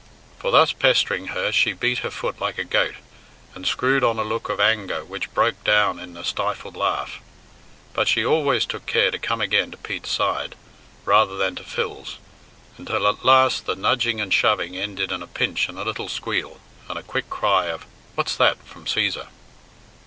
For thus pestering her she beat her foot like a goat, and screwed on a look of anger which broke down in a stifled laugh; but she always took care to come again to Pete's side rather than to Phil's, until at last the nudging and shoving ended in a pinch and a little squeal, and a quick cry of "What's that?" from Cæsar.